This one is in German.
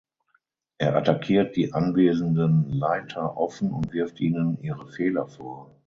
Er attackiert die anwesenden Leiter offen und wirft ihnen ihre Fehler vor.